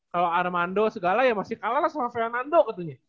kalau armando segala ya masih kalah lah sama fernando katanya